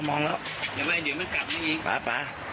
ขอบคุณครับ